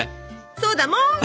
そうだもん！